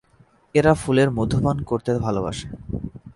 এরা ফুলের মধু পান করতে ভালোবাসে।